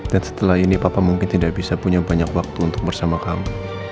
dan setelah ini papa mungkin tidak bisa punya banyak waktu untuk bersama kamu